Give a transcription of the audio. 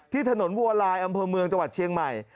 ถนนวัวลายอำเภอเมืองจังหวัดเชียงใหม่